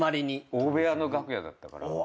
大部屋の楽屋だったから。